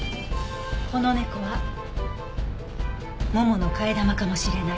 この猫はももの替え玉かもしれない。